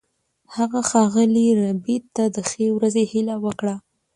هغه ښاغلي ربیټ ته د ښې ورځې هیله وکړه